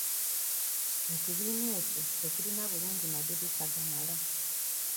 Ekibiina ekyo tekirina bulungi madirisa gamala.